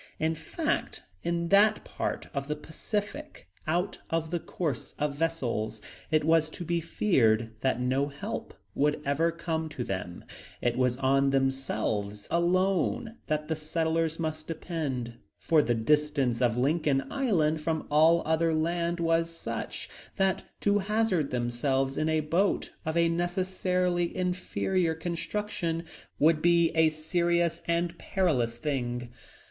In fact, in that part of the Pacific, out of the course of vessels, it was to be feared that no help would ever come to them. It was on themselves, on themselves alone, that the settlers must depend, for the distance of Lincoln Island from all other land was such, that to hazard themselves in a boat, of a necessarily inferior construction, would be a serious and perilous thing.